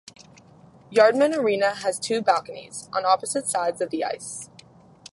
Yardmen Arena has two balconies, on opposite sides of the ice.